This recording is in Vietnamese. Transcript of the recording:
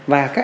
hãy chia sẻ